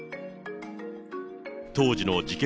当時の事件